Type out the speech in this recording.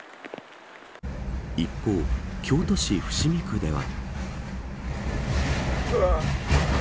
一方、京都市伏見区では。